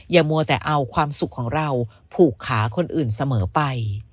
มัวแต่เอาความสุขของเราผูกขาคนอื่นเสมอไป